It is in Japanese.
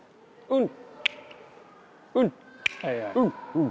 うん。